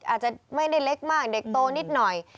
อาจจะไม่ได้เล็กมากเด็กโตนิดหน่อย